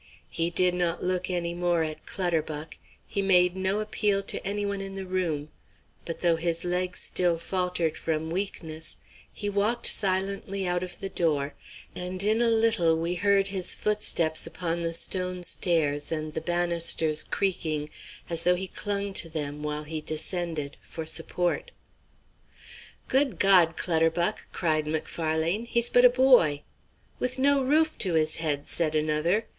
He did not look any more at Clutterbuck; he made no appeal to anyone in the room; but though his legs still faltered from weakness, he walked silently out of the door, and in a little we heard his footsteps upon the stone stairs and the banisters creaking, as though he clung to them, while he descended, for support. "Good God, Clutterbuck!" cried Macfarlane "he's but a boy." "With no roof to his head," said another.